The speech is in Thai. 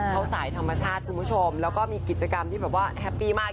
เขาสายธรรมชาติคุณผู้ชมแล้วก็มีกิจกรรมที่แบบว่าแฮปปี้มาก